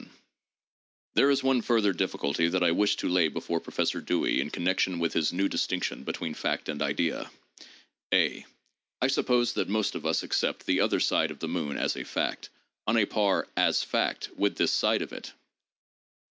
14 THE JOURNAL OF PHILOSOPHY "There is one further difficulty that I wish to lay before Pro fessor Dewey in connection with his new distinction between fact and idea, (a) I suppose that most of us accept the other side of the moon as a fact, on a par as fact with this side of it.